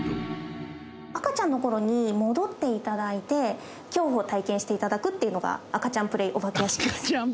赤ちゃんの頃に戻って頂いて恐怖を体験して頂くっていうのが赤ちゃんプレイお化け屋敷です。